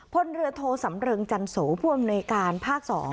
พลเรือโทสำเริงจันโสผู้อำนวยการภาค๒